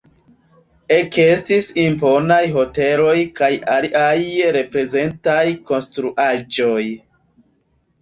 Ekestis imponaj hoteloj kaj aliaj reprezentaj konstruaĵoj.